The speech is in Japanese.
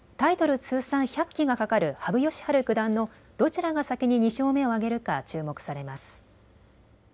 通算１００期がかかる羽生善治九段のどちらが先に２勝目を挙げるか注目されます。